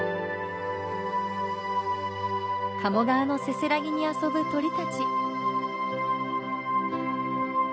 鴨川のせせらぎに遊ぶ鳥たち。